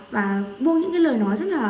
và buông những lời nói rất là